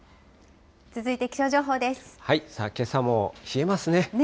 けさも冷えますね。